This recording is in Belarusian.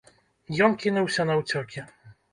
Ён кінуўся на ўцёкі.